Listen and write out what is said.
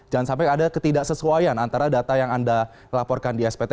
jangan sampai ada ketidaksesuaian antara data yang anda laporkan di spt